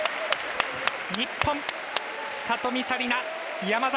日本、里見紗李奈山崎